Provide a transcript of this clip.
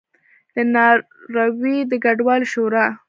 د ناروې د کډوالو شورا